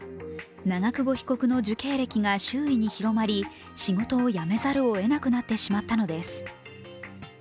長久保被告の受刑歴が周囲に広まり、仕事を辞めざるをえなくなってしまったのです。